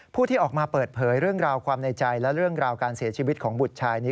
ที่ออกมาเปิดเผยเรื่องราวความในใจและเรื่องราวการเสียชีวิตของบุตรชายนี้